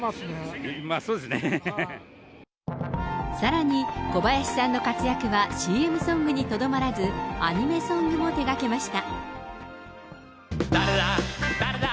さらに、小林さんの活躍はＣＭソングにとどまらず、アニメソングも手がけました。